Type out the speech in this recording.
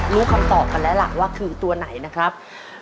รู้คำตอบกันแล้วล่ะว่าคือตัวไหนนะครับ